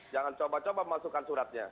jangan coba coba masukkan suratnya